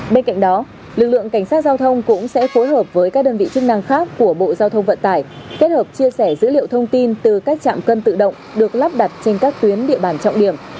bên cạnh đó lực lượng cảnh sát giao thông cũng sẽ phối hợp với các đơn vị chức năng khác của bộ giao thông vận tải kết hợp chia sẻ dữ liệu thông tin từ các trạm cân tự động được lắp đặt trên các tuyến địa bàn trọng điểm